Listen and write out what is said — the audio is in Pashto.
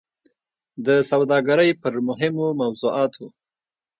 د سوداګرۍ په مهمو موضوعاتو